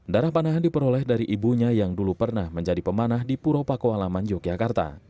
darah panahan diperoleh dari ibunya yang dulu pernah menjadi pemanah di puro pakualaman yogyakarta